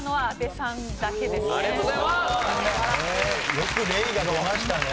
よく「れい」が出ましたね。